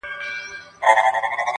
په لمنو کي لالونه -